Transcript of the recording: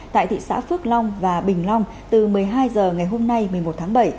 tại thị xã phước long và bình long từ một mươi hai h ngày hôm nay một mươi một tháng bảy